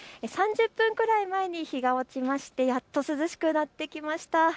３０分くらい前に日が落ちましてやっと涼しくなってきました。